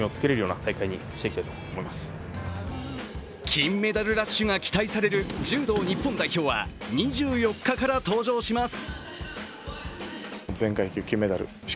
金メダルラッシュが期待される柔道日本代表は２４日から登場します。